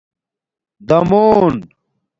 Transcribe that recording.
دَامُݸن